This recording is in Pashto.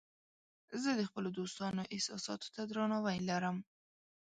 زه د خپلو دوستانو احساساتو ته درناوی لرم.